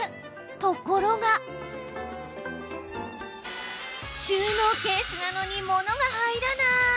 ところが収納ケースなのに物が入らない。